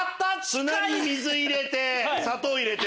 砂に水入れて砂糖入れて。